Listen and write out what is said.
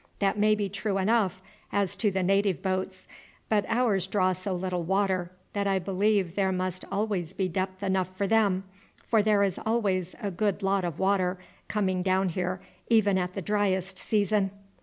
That may be true enough as to the native boats, but ours draw so little water that I believe there must always be depth enough for them, for there is always a good lot of water coming down here even at the driest season."